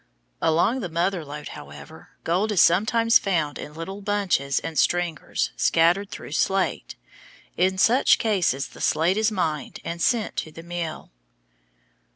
Along the Mother Lode, however, gold is sometimes found in little bunches and "stringers" scattered through slate. In such cases the slate is mined and sent to the mill.